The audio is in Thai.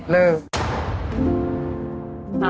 แล้ว